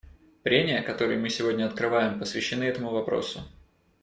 Прения, которые мы сегодня открываем, посвящены этому вопросу.